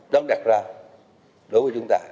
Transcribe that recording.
đang đặt ra đối với chúng ta